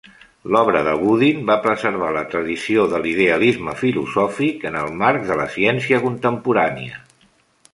L'obra de Boodin va preservar la tradició de l'idealisme filosòfic en el marc de la ciència contemporània.